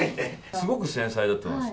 すごく繊細だと思います。